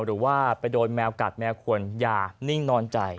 หรือว่าไปโดนแมวกัดแมวควรอย่านิ่งนอนใจ